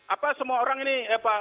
apa semua orang ini